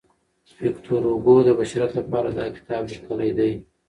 ویکټور هوګو د بشریت لپاره دا کتاب لیکلی دی.